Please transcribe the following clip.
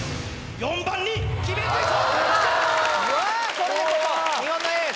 ４番にきめてきた！